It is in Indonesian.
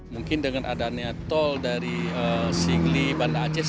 mungkin dengan adanya tol dari singli banda aceh